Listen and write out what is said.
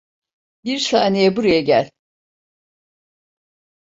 Bir saniye buraya gel.